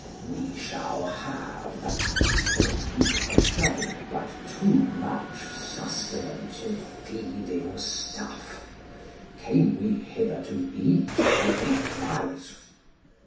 We shall have, said Picrochole, but too much sustenance and feeding stuff. Came we hither to eat or to fight?